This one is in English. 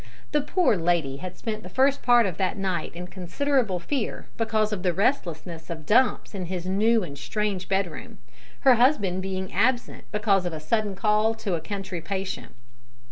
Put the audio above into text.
The poor lady had spent the first part of that night in considerable fear because of the restlessness of Dumps in his new and strange bedroom her husband being absent because of a sudden call to a country patient.